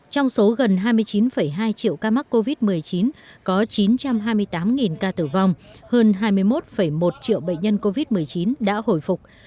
trong số gần hai mươi chín hai triệu ca mắc covid một mươi chín có chín trăm hai mươi tám ca tử vong hơn hai mươi một một triệu bệnh nhân covid một mươi chín đã hồi phục